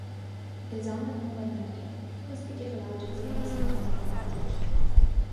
الزام لگانے والا مر گیا کیون اسپیسی کے خلاف جنسی ہراسانی کا مقدمہ خارج